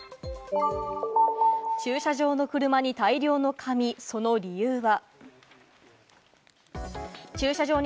駐車場の車に大量の紙、その理由は？